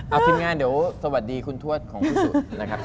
เอาทีมงานเดี๋ยวสวัสดีคุณทวดของคุณสุนะครับ